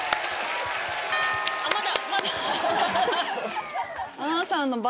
まだ。